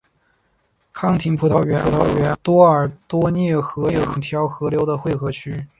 康廷葡萄园和多尔多涅河两条河流的汇合区。